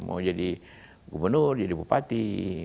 mau jadi gubernur jadi bupati